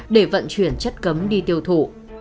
để vận chuyển chất cấm đi tiêu thụ